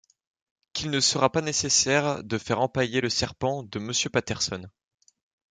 Qu’il ne sera pas nécessaire de faire empailler le serpent de Monsieur Patterson...